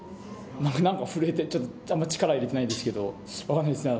何か震えてちょっとあんま力入れてないんですけど分かんないですね